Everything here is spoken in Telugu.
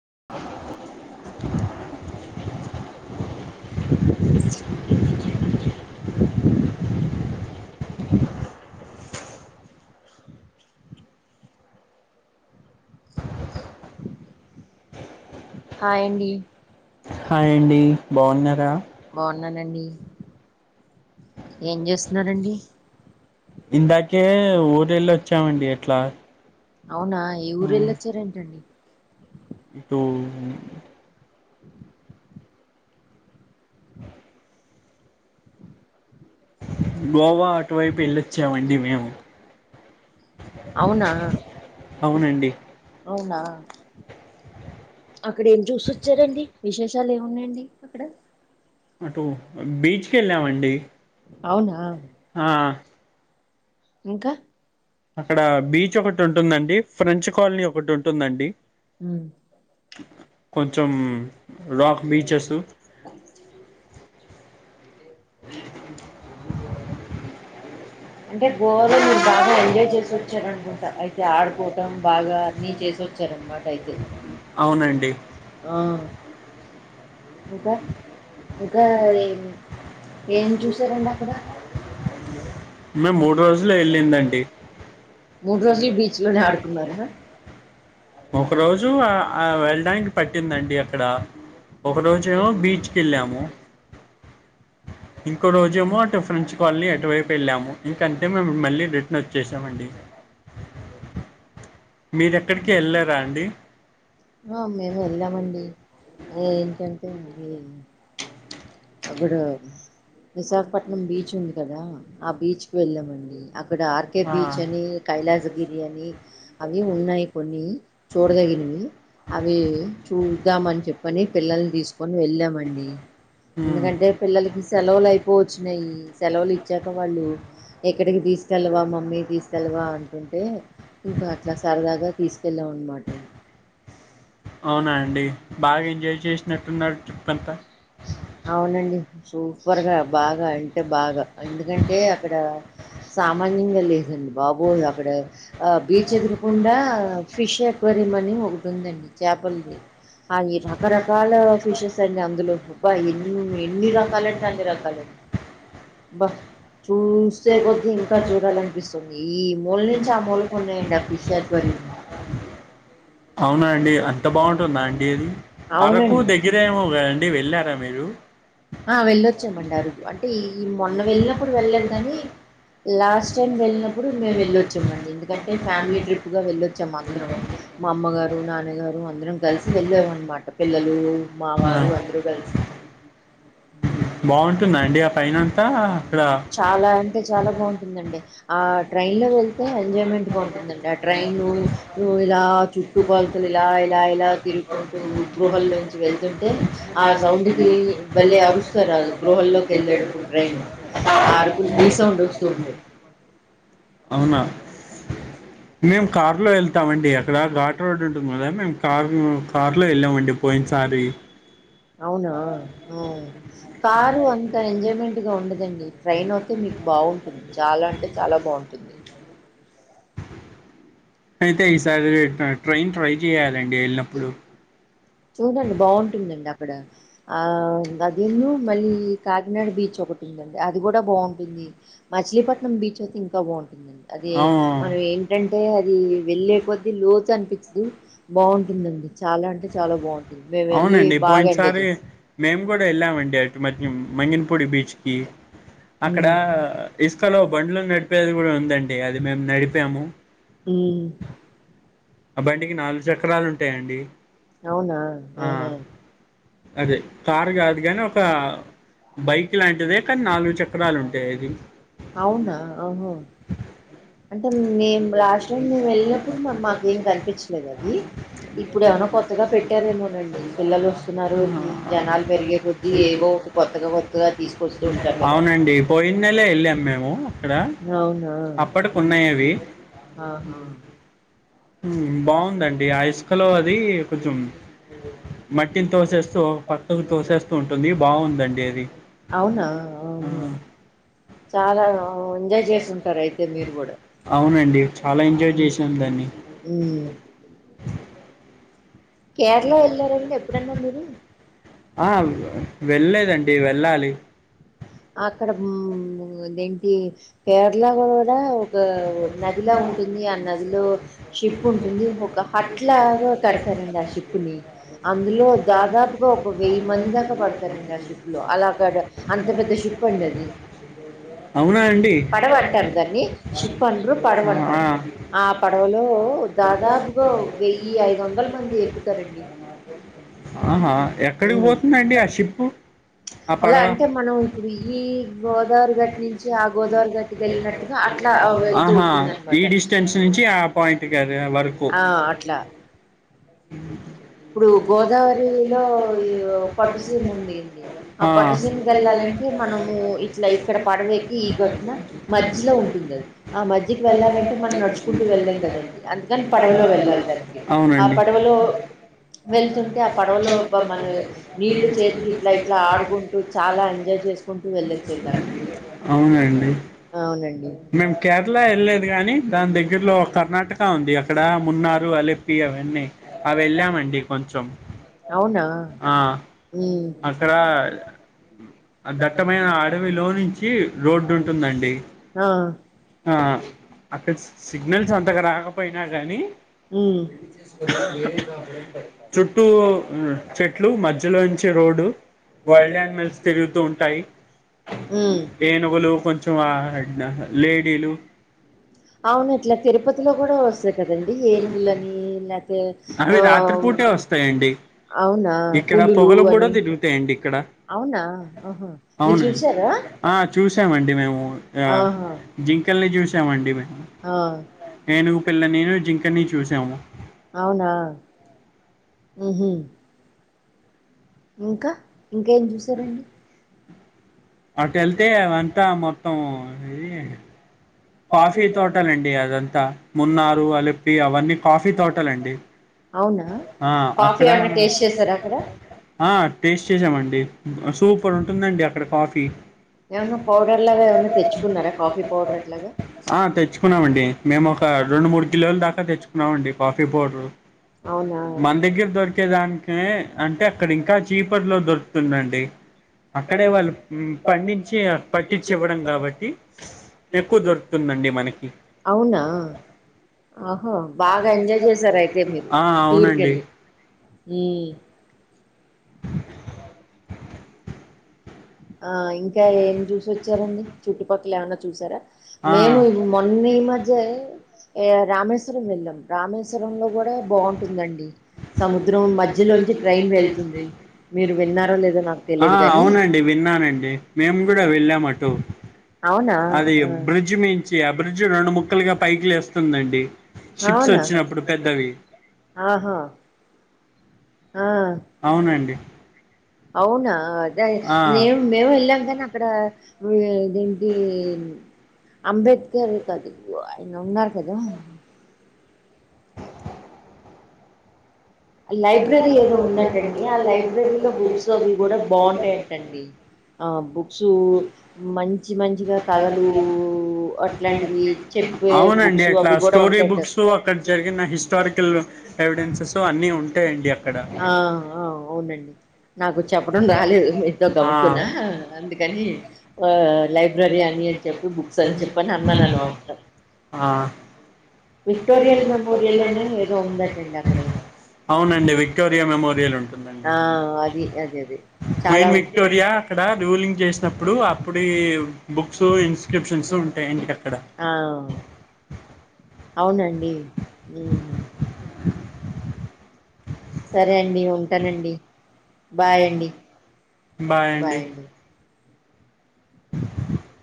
[unintelligible] [unintelligible] హాయ్ అండి హాయ్ అండి బావున్నార బావున్నా నండి ఏం చేస్తున్నారండి ఇందాకే ఊరెళ్ళి వచ్చామండి అట్లా అవునా ఏ ఊరు వెళ్ళొచ్చారేంటండి హ్మ్ గోవా అటువైపు వెళ్ళొచ్చామండి మేము అవునా అవునండి అవునా అక్కడ ఏం చూసోచ్చారండి విశేషాలు ఏమున్నాయండి అక్కడ అటు బీచ్కి వెళ్ళామండి అవునా ఆ ఇంకా అక్కడ బీచ్ ఒకటి ఉంటుందండి ఫ్రెంచ్ కాలనీ ఒకటి ఉంటుందండి ఉమ్. కొంచెం రాక్ బీచెస్ హ్మ్ అంటే గోవాలో మీరు బాగా ఎంజాయ్ చేసి వచ్చారనుకుంటా అయితే ఆడుకోవటం బాగా అన్ని చేసి వచ్చారనమాట అవునండి ఆ ఇంకా ఇంకా ఏం ఏమి చూశారండి అక్కడ మేము మూడు రోజులే వెళ్ళింది అండి మూడు రోజులు బీచ్ లోనే ఆడుకున్నారా ఒక రోజు ఆ ఆ వెళ్ళడానికి పట్టిందండి అక్కడ ఒక రోజు ఏమో బీచ్ కి వెళ్ళాము ఇంకో రోజు ఏమో అటు ఫ్రెంచ్ కాలనీ ఎటువైపు వెళ్ళాము ఇంకా అంతే మేము మళ్ళీ రీట్ నోచ్చే సామండి మీరు ఎక్కడికి ఎల్ల లేదా అండి హా మేము వెళ్ళాము అండి ఏంటంటే ఆది అప్పుడు విశాఖపట్నం బీచ్ ఉంది కదా ఆ బీచ్ కి వెళ్ళామండి అక్కడ ఆర్కే ఆ. బీచ్ అని కైలాసగిరి అని అవి ఉన్నాయి కొన్ని చూడదగినవి అవి చూద్దామని చెప్పని పిల్లల్ని తీసుకొని వెళ్ళామండి ఉమ్. ఎందుకంటే పిల్లలకి సెలవులు అయిపోయి వచ్చినయి సెలవులు ఇచ్చాక వాళ్ళు ఎక్కడికి తీస్ కెళ్ళావా మమ్మీ తీసుకెళ్ళవా అంటుంటే ఇంకా అట్లా సరదాగా తీసుకెళ్ళాం అన్నమాట అవునా అండి బాగా ఎంజాయ్ చేసినట్టున్నారు ట్రిప్ అంతా అవునండి సూపర్ గా బాగా అంటే బాగా ఎందుకంటే అక్కడ సామాన్యంగా లేదండి బాబు అక్కడ ఆ బీచ్ ఎదుకు గుండా ఫిష్ అక్వేరియం అని ఒకటి ఉందండి చేపలది అవి రకరకాల ఫిషెస్ అండి అందులో బా ఎన్ని ఎన్ని రకాలంటే అన్ని రకాలండి బా చూస్తే కొద్దీ ఇంకా చూడాల అనిపిస్తుంది ఈ మూల నుంచి ఆ మూల కున్నాయండి ఆ ఫిష్ అక్వేరియం అవునా అండి అంత బాగుంటుందా అంటడి అది అరకు దగ్గరే ఏమో అవునండి కదా అండి వెళ్లారా మీరు ఆ వెళ్ళొచ్చామండి అరకు అంటే ఈ మొన్న వెళ్ళినప్పుడు వెళ్ళదు కాని లాస్ట్ టైం వెళ్ళినప్పుడు మేము వెళ్ళొచ్చాం అండి ఎందుకంటే ఫ్యామిలీ ట్రిప్ గా వెళ్ళొచ్చాం అందరం మా అమ్మగారు నాన్నగారు అందరం కలిసి వెళ్ళాం అన్నమాట పిల్లలు మా వారు అందరూ కలిసి బాగుంటుందండి ఆ పైన అంతా చాలా అంటే చాలా బాగుంటుందండి ఆ ట్రైన్ లో వెళ్తే ఎంజాయ్మెంట్ గా ఉంటుందండి ట్రైన్ ఇలా చుట్టు కొలతలు ఇలా ఇలా ఇలా తిరుగుకుంటూ గృహల్లోంచి వెళ్తుంటే ఆ సౌండ్ కి మళ్ళీ అరుస్తారు గృహల్లోకి వెళ్ళేటప్పుడు ట్రైన్ ఆ అరుపులు రీసౌండ్ వస్తూ ఉంటాయి అవునా మేము కార్ లో వెళ్తామండి అక్కడ ఘాట్ రోడ్ ఉంటుంది కదా మేము కార్ కార్ లో వెళ్ళామండి పోయిన సారి అవునా ఉ కారు అంత ఎంజాయ్మెంట్ గా ఉండదండి ట్రైన్ ఒకే మీకు బాగుంటుంది చాలా అంటే చాలా బాగుంటుంది అయితే ఈసారి ట్రైన్ ట్రై చేయాలండి వెళ్ళినప్పుడు చూడండి బాగుంటుందండి అక్కడ ఆ అది ను మళ్ళీ కాకినాడ బీచ్ ఒకటి ఉందండి అది కూడా బాగుంటుంది మచిలీపట్నం బీచ్ అయితే ఇంకా బాగుంటుందండి అది ఆ మనం ఏంటంటే అది వెళ్లే కొద్ది లోతు అనిపించదు బాగుంటుందండి చాలా అంటే చాలా బాగుంటుంది మేము వెళ్ళి అవునండి బాగా ఎంజాయ్ పోయినసారి చేశాం మేము కూడా [unintelligible] మంగినపూడి బీచ్ కి అక్కడ ఇసుకలో బండ్లు నడిపేది కూడా ఉందండి అది మేము నడిపాము ఉ అ బండికి నాలుగు చక్రాలు ఉంటాయండి అవునా ఆ ఆహా అదే కారు కాదు గాని ఒక బైక్ లాంటిదే కానీ నాలుగు చక్రాలు ఉంటాయి ఇది అవునా ఓహో అంటే మేము లాస్ట్ టైం మేము వెళ్ళినప్పుడు మాకు ఏం కనిపించలేదు అవి ఇప్పుడు ఏమైనా కొత్తగా పెట్టారేమోనండి పిల్లలు వస్తున్నారు జనాలు పెరిగే కొద్ది ఏవో ఒకటి కొత్తగా వత్తే తీసుకొస్తూ ఉంటారు కదా అవునండి పోయిన నెలే వెళ్ళాం అవునా ఉన్నాయ అవి ఆహా ఉ బాగుందండి ఆ ఇసుకలో అది కొంచెం మట్టిని తోసేస్తూ పక్కకు తోసేస్తూ ఉంటుంది బాగుందండి అది అవునా ఆ ఆ చాలా ఎంజాయ్ చేసింటారు అయితే మీరు కూడా అవునండి చాలా ఎంజాయ్ చేసాం దాన్ని ఉ కేరళ వెళ్లార అండి ఎప్పుడన్నా మీరు ఆ వెళ్ళలేదండి వెళ్ళాలి అక్కడ ఆదేంటి కేరళ కూడా ఒక నదిలా ఉంటుంది ఆ నదిలో షిప్ ఉంటుంది ఒక హట్ లాగా కడతారండి ఆ షిప్ ని అందులో దాదాపుగా ఒక వెయ్యి మంది దాకా పడతారండి ఆ ష్రిప్ లో అలా కడ అంత పెద్ద షిప్ అండి అది అవునా అండి ప్ అంటారు దాన్ని షిప్ అనరు ఆ, పడవ అంటారు ఆ. ఆ పడవలో దాదాపుగా వెయ్యి ఐదు వందలు ఆహా ఎక్కడికి హ్మ్. పోతుంది అండి ఆ షిప్ ఆ అలా పడవ అంటే మనం ఇప్పుడు ఈ గోదావరి గట్టి నుంచి ఆ గోదావరి గట్టికి వెళ్ళినట్టుగా అట్లా వెళ్తూ ఆహా ఉంటుంది ఈ ఆనమాట డిస్టెన్స్ నుంచి ఆ పాయింట్ కద వరకు ఆ అట్లా ఇప్పుడు గోదావరిలో ఈ పట్టుసీమ ఉంది ఏంది ఆ పట్టుసీమ వెళ్లాలంటే మనము ఇట్లా ఇక్కడ పడవ ఎక్కి ఈ ఘటన మధ్యలో ఉంటుంది అది ఆ మధ్యకి వెళ్ళాలంటే మనం నడుచుకుంటూ వెళ్ళాం కదండి అందుకని పడవలో వెళ్ళాలి దానికి ఆ పడవలో వెళ్తుంటే ఆ పడవ పడవలో లో ఒ మనం నీళ్లు నీరు చేతికి చేతి ఇట్లా ఇట్ల ఆడుకుంటూ ఆడుకుంటు చాలా ఎంజాయ్ చేసుకుంటూ వెళ్ళొచ్చండి అక్కడ అవునండి అవునండి మేము కేరళ వెళ్లేదు గానీ దాని దగ్గరలో కర్ణాటక ఉంది అక్కడ మున్నార్ ఆలే తీ అవన్నీ అవి వెళ్ళామండి కొంచెం అవునా ఆ, ఉ అక్కడ ఆ దట్టమైన అడవిలో నుంచి రోడ్డు ఉంటుంది అండి ఆ ఆ ఆ అక్కడ సిగ్నల్స్ అంతగా రాకపోయినా గానీ ఉ చుట్టూ చెట్లు మధ్యలో నించి రోడ్డు వైల్డ్ ఆనిమల్స్ తిరుగుతూ ఉంటాయి ఉ ఏనుగులు కొంచం ఆ లేడీలు అవును ఇట్లా తిరుపతిలో కూడా వస్తాయి కదండి ఏనుగులని లేతే అవి ఆ రాత్రి పూట్ టె వస్తాయండి అవునా ఇక్కడ పులులు పొగలు కూడా అని తిరుగుతాయండి ఇక్కడ అవునా ఆహా మీరు అవునండి చూసారా ఆ చూసామండి మేము ఆ ఆహా జింకల్ని చూసామండి మేం ఆ ఏనుగు పిల్ల నీను జింకని చూసాము అవునా ఊహు ఇంకా ఇంకా ఏం చూసారండి అటు ఎళ్తే అవంతా మొత్తం ఏది కాఫీ తోటలండి అదంతా మున్నారూ అలిప్పి అవన్నీ కాఫీ తోటలండి అవునా ఆ కాఫీ అక్కడ ఏమన్నా టేస్ట్ చేసారా అక్కడ ఆ టేస్ట్ చేసామండి సూపర్ ఉంటుందండి అక్కడ కాఫీ ఏమన్నా పౌడర్ లాగా ఏమన్నా తెచ్చుకున్నారా కాఫీ పౌడర్ అట్లాగా ఆ తెచ్చుకున్నామండి మేము ఒక రెండు మూడు కిలోలు దాకా తెచ్చుకున్నామండి కాఫీ పౌడరు అవునా మన దగ్గర దొరికేదానికి అంటే అక్కడ ఇంకా చీపర్ లో దొరుకుతుందండి అక్కడే వాళ్ళు పండించి పట్టిచ్చి ఇవ్వడం కాబట్టి ఎక్కువ దొరుకుతుందండి మనకి ఆహో బాగా ఎంజాయ్ చేసారు అయితే మీరు ఆ టూర్ అవునండి కెళ్ళి ఊ [inaudible] ఆ ఇంకా ఏమి చూసోచ్చారండి చుట్టుపక్కల ఏమన్నా చూసారా ఆ మేము మొన్నీమధ్యే రామేశ్వరం వెళ్ళాం రామేశ్వరంలో గూడా బావుంటుందండి సముద్రం మధ్యలోంచి ట్రైన్ వెళ్తుంది మీరు విన్నారో లేదో నాకు ఆ తెలియదు కాని అవునండి విన్నానండి మేము కూడా వెళ్ళామటు అవునా ఆ మించి ఆ బ్రిడ్జ్ రెండు ముక్కలుగా పైకి లేస్తుందండి షిప్స్ అవునా వచ్చినప్పుడు పెద్దవి ఆహా ఆ అవునండి అవునా అదే ఆ నేన్ మేము వెళ్ళాం కానీ అక్కడ ఇదేంటి అంబేద్కర్ కదు వాయన ఉన్నారు కదా లైబ్రరీ ఏదో ఉండటండి ఆ లైబ్రరీలో బుక్స్ అవి కూడా బాగుంటాయంటండి ఆ బుక్స్ మంచి మంచిగా కథలు అట్లాంటివి చెప్పే అవునండి బుక్స్ అట్లా అవి కూడా స్టోరీ ఉంటాయంట బుక్స్ అక్కడ జరిగిన హిస్టారికల్ ఎవిడెన్సెస్ అన్ని ఉన్ ఆ అవునండి నాకు చెప్పడం రాలేదు మీతో ఆ గబుకున్నా అందుకని ఆ లైబ్రరీ అని చెప్పి బుక్స్ అని చెప్పని అన్నాను అనమాట ఆ విక్టోరియల్ మెమోరియల్ అని ఏదో ఉందటండి అక్కడ అవునండి విక్టోరియా మెమోరియల్ ఉంటుందండి ఆ అది అది అది చాలా క్వీన్ విక్టోరియా అక్కడ రూలింగ్ జేసినప్పుడు అప్పుడీ బుక్సు ఇన్స్క్రిప్షన్సు ఉంటాయండి అక్కడ ఆ అవునండి ఊహు సరే అండి ఉంటానండి బాయ్ అండి బాయ్ అండి [inaudible]